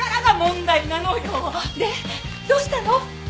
どうしたの？